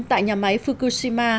tại nhà máy fukushima